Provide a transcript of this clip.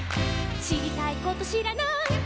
「しりたいことしらない」